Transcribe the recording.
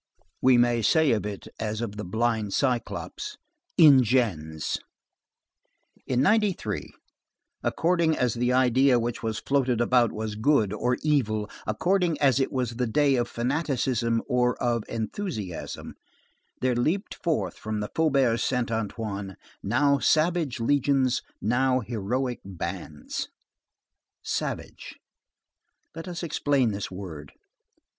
We may say of it as of the blind cyclops, Ingens. In '93, according as the idea which was floating about was good or evil, according as it was the day of fanaticism or of enthusiasm, there leaped forth from the Faubourg Saint Antoine now savage legions, now heroic bands. Savage. Let us explain this word.